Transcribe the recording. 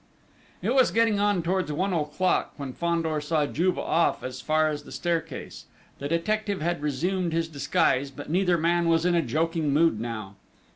It was getting on towards one o'clock when Fandor saw Juve off as far as the staircase. The detective had resumed his disguise, but neither man was in a joking mood now.